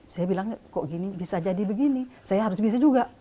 saya bilang kok gini bisa jadi begini saya harus bisa juga